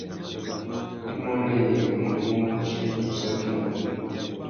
Imuênê yê ngu mú djï tu saki nà pêh.